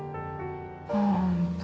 本当。